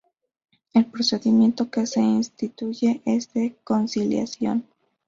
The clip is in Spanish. El procedimiento que se instituye es de conciliación.